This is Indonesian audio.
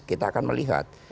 kita akan melihat